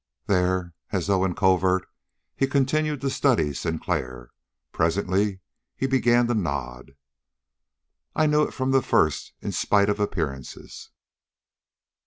There, as though in covert, he continued to study Sinclair. Presently he began to nod. "I knew it from the first, in spite of appearances."